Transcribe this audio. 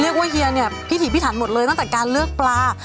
เฮียเนี่ยพิถีพิถันหมดเลยตั้งแต่การเลือกปลา